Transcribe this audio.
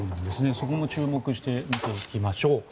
そこも注目して見ていきましょう。